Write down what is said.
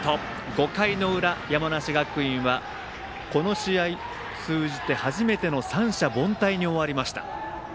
５回の裏、山梨学院はこの試合通じて初めての三者凡退に終わりました。